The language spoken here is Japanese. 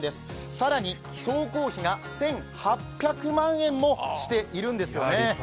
更に総工費が１８００万円もしているんですよね。